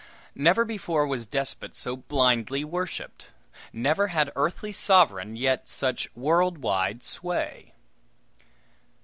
Never before was despot so blindly worshiped! Never had earthly sovereign yet such world wide sway!